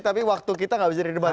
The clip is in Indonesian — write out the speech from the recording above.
tapi waktu kita tidak bisa di debat